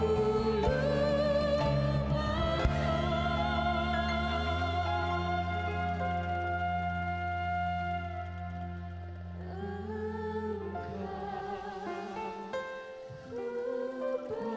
walaupun tanah negeriku jalanin